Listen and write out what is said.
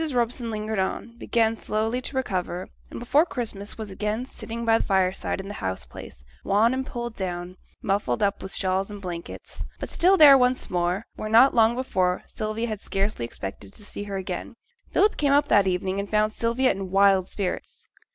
Robson lingered on, began slowly to recover, and before Christmas was again sitting by the fireside in the house place, wan and pulled down, muffled up with shawls and blankets, but still there once more, where not long before Sylvia had scarcely expected to see her again. Philip came up that evening and found Sylvia in wild spirits.